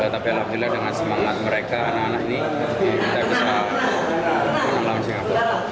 tapi alhamdulillah dengan semangat mereka anak anak ini kita bisa melawan singapura